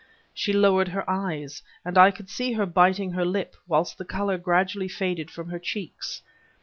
She lowered her eyes, and I could see her biting her lip, whilst the color gradually faded from her cheeks.